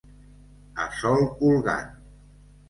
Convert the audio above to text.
A sol colgant.